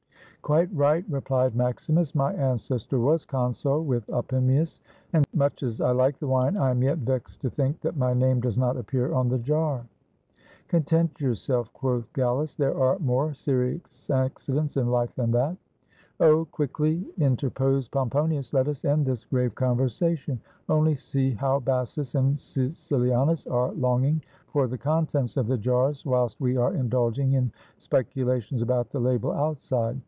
"Quite right," replied Maximus; "my ancestor was consul with Opimius ; and much as I Kke the wine, I am yet vexed to think that my name does not appear on the jar." "Content yourself," quoth Gallus; "there are more serious accidents in life than that." "Oh!" quickly in terposed Pomponius. "Let us end this grave conversa tion. Only see how Bassus and Caecilianus are longing for the contents of the jars, whilst we are indulging in speculations about the label outside.